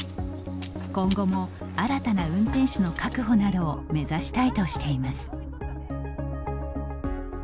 今後も新たな運転手の確保などを目指したいとしています。